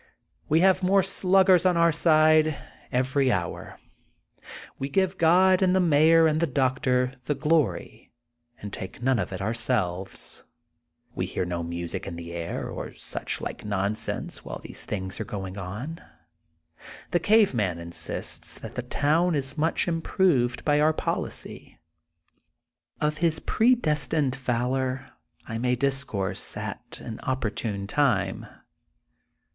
We have more sluggers on our side every hour. We give God and the Mayor and the Doctor the glory, and take none of it ourselves. We hear no music in the air or such like nonsense, while these things are going on. The Gave Man insists that the town is much improved by our policy. Of his predestined valor I may discourse at an op portune time.